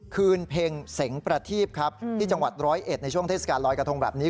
เพลงเพ็งเสียงประทีบครับที่จังหวัดร้อยเอ็ดในช่วงเทศกาลลอยกระทงแบบนี้